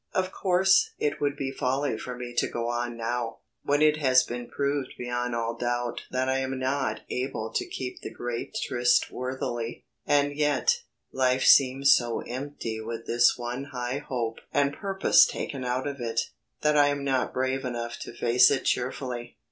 "Of course it would be folly for me to go on now, when it has been proved beyond all doubt that I am not able to keep the great tryst worthily, and yet life seems so empty with this one high hope and purpose taken out of it, that I am not brave enough to face it cheerfully."